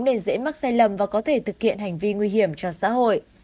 nên dễ mắc sai lầm và có thể thực hiện hành vi nguy hiểm cho xã hội